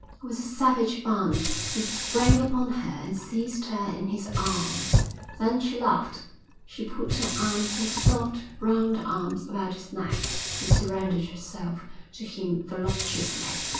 With a savage bound he sprang upon her and seized her in his arms. Then she laughed. She put her arms, her soft, round arms, about his neck, and surrendered herself to him voluptuously.